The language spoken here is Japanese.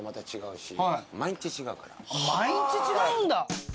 毎日違うんだ。